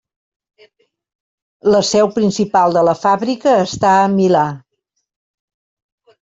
La seu principal de la fàbrica està a Milà.